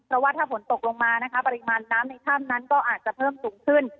เพราะว่าถ้าฝนตกลงมานะคะปริมาณน้ำในถ้ำนั้นก็อาจจะเพิ่มสูงขึ้น